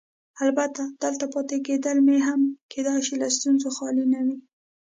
البته دلته پاتې کېدل مې هم کیدای شي له ستونزو خالي نه وي.